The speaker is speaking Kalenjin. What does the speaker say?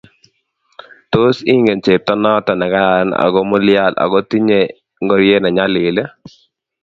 Tos ingen cheptonoto negararan ago mulyal agotinyei ngoryet nenyalil